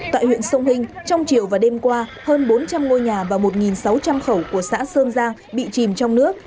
tại huyện sông hinh trong chiều và đêm qua hơn bốn trăm linh ngôi nhà và một sáu trăm linh khẩu của xã sơn giang bị chìm trong nước